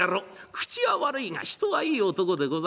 口は悪いが人はいい男でございます。